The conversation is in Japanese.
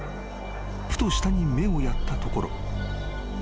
［ふと下に目をやったところ］